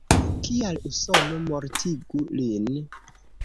Kial Usono mortigu lin?